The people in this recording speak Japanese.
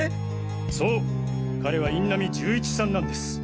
そう彼は印南銃一さんなんです。